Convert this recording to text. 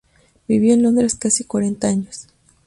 Vivió en Londres casi cuarenta años.